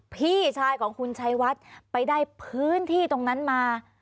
พี่ชายของคุณชัยวัดไปได้พื้นที่ตรงนั้นมา